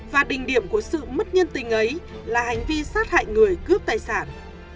và đỉnh điểm của sự mất nhân tình ấy là hành vi sát hại người cướp tài sản